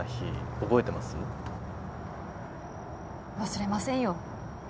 忘れませんよ